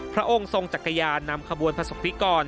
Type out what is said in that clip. พระองค์ทรงจักรยานนำขบวนประสบพิกร